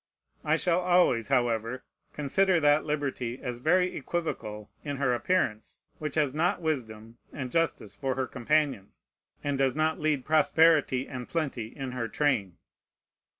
I shall always, however, consider that liberty as very equivocal in her appearance, which has not wisdom and justice for her companions, and does not lead prosperity and plenty in her train.